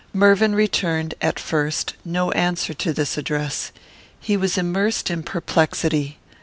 Mervyn returned, at first, no answer to this address. He was immersed in perplexity.